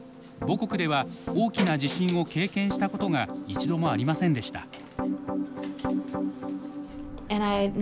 母国では大きな地震を経験したことが一度もありませんでした。